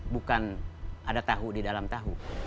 bukan ada tahu di dalam tahu